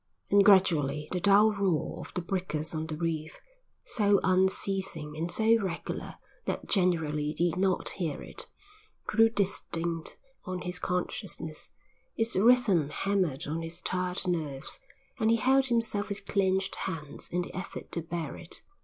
And gradually the dull roar of the breakers on the reef, so unceasing and so regular that generally you did not hear it, grew distinct on his consciousness, its rhythm hammered on his tired nerves and he held himself with clenched hands in the effort to bear it.